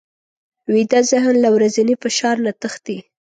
ویده ذهن له ورځني فشار نه تښتي